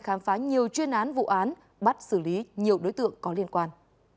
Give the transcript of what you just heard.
khám phá nhiều chuyên án vụ án bắt xử lý nhiều đối tượng có liên quan